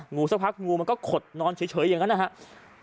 สักพักงูมันก็ขดนอนเฉยอย่างนั้นนะครับ